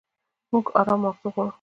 موږ ارام ماغزه غواړو.